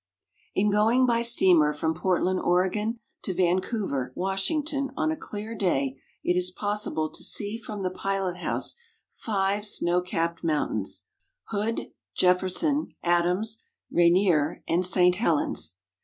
In going by steamer from Portland, Oregon, to Vancouver, Washington, on a clear day it is possible to see from the pilot house five snow capped mountains — Hood, Jefferson, Adams, Rainier, and St. Helens.